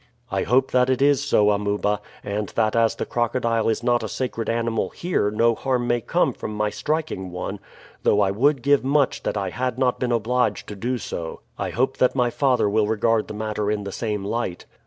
"I hope that is so, Amuba; and that as the crocodile is not a sacred animal here no harm may come from my striking one, though I would give much that I had not been obliged to do so. I hope that my father will regard the matter in the same light."